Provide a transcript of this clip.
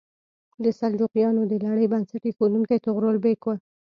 د سلجوقیانو د لړۍ بنسټ ایښودونکی طغرل بیګ و.